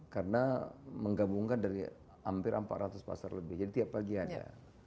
karena menggabungkan dari hampir empat ratus pasar lebih jadi tiap pagi ada